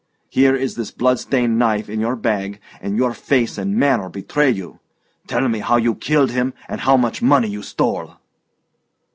Here is this blood stained knife in your bag and your face and manner betray you! Tell me how you killed him, and how much money you stole?"